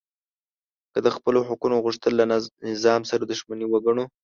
که د خپلو حقونو غوښتل له نظام سره دښمني وګڼو